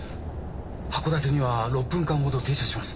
函館には６分間ほど停車します。